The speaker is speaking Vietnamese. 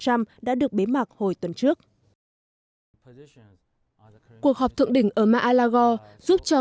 trump đã được bế mạc hồi tuần trước cuộc họp thượng đỉnh ở maalagor giúp cho